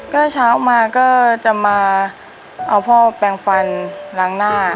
ก็เช้ามาก็จะมาเอาพ่อแปลงฟันล้างหน้า